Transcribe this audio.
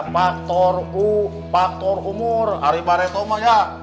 faktor umur hari baretoma ya